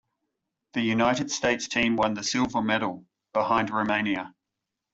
The United States team won the silver medal behind Romania.